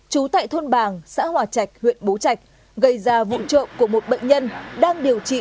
trú tại thôn bàng xã hòa trạch huyện bố trạch gây ra vụ trộm của một bệnh nhân đang điều trị